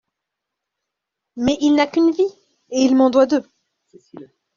Mais il n'a qu'une vie, et il m'en doit deux.